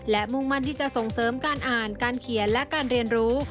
และมุ่งมั่นที่จะส่งเสริมการอ่านการเขียนและการเรียนรู้